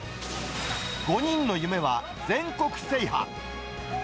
５人の夢は、全国制覇。